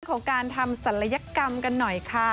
ของการทำศัลยกรรมกันหน่อยค่ะ